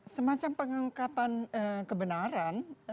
semacam pengungkapan kebenaran